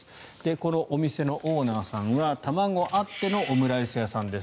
このお店のオーナーさんは卵あってのオムライス屋さんです